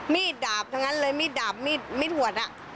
ดาบทั้งนั้นเลยมีดดาบมีดหวดอ่ะ